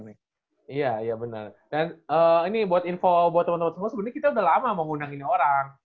iya benar dan ini buat info buat teman teman sebenarnya kita udah lama mau ngundangin orang